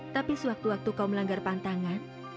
tapi sewaktu waktu kau melanggar pantangan